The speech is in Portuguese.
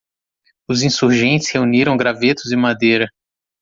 Os insurgentes reuniram gravetos e madeira.